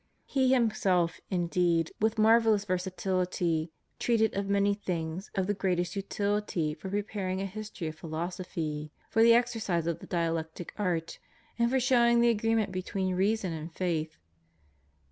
'" He himself, indeed, with marvellous versatility treated of many things of the greatest utility for preparing a history of philosophy, for the exercise of the dialectic art, and for showing the agreement between reason and faith.